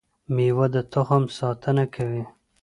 میوه د تخم ساتنه کوي